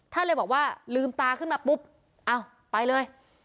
เลยบอกว่าลืมตาขึ้นมาปุ๊บอ้าวไปเลย